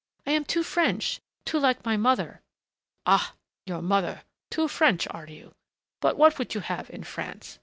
I am too French, too like my mother " "Ah, your mother!... Too French, are you?... But what would you have in France?"